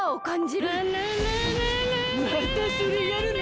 またそれやるの？